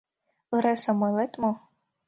Ыресым ойлет мо?